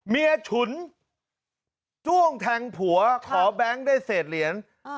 ฉุนจ้วงแทงผัวขอแบงค์ได้เศษเหรียญ